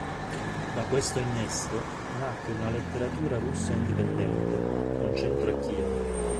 Da questo innesto, nacque una letteratura russa indipendente, con centro a Kiev.